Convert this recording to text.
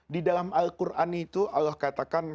di dalam al quran itu allah katakan